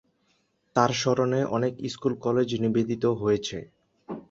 তাঁর স্মরণে অনেক স্কুল-কলেজ নিবেদিত হয়েছে।